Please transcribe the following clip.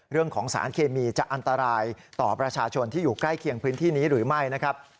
เรื่องของสารเคมีจะอันตรายต่อประชาชนที่อยู่ใกล้เคียงพื้นที่นี้หรือไม่นะครับ